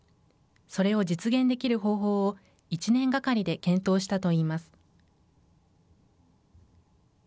それを実現できる方法を１年がかりで検討したといいます。